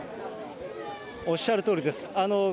おっしゃるとおりです。